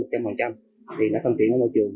thì nó phân tiện với môi trường